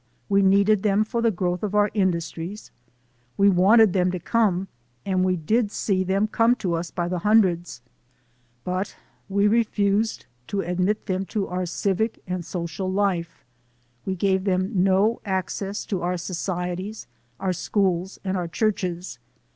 We needed them for the growth of our industries, we wanted them to come and we did see them come to us by the hundreds. But we refused to admit them to our civic and social iife; we gave them no access to our societies, our schools and our churches.